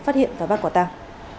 phát hiện và bắt quả tăng